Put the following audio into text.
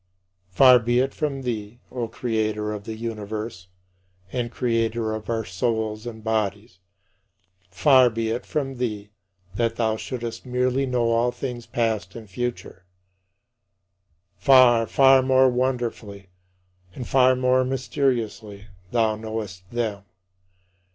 But far be it from thee, O Creator of the universe, and Creator of our souls and bodies far be it from thee that thou shouldst merely know all things past and future. Far, far more wonderfully, and far more mysteriously thou knowest them.